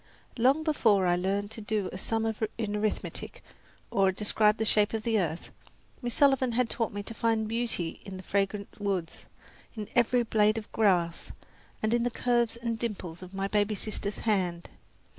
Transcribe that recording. Long before I learned to do a sum in arithmetic or describe the shape of the earth, Miss Sullivan had taught me to find beauty in the fragrant woods, in every blade of grass, and in the curves and dimples of my baby sister's hand.